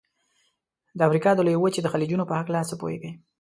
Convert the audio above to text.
د امریکا د لویې وچې د خلیجونو په هلکه څه پوهیږئ؟